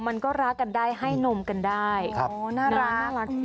มันก็รักกันได้ให้นมกันได้น่ารัก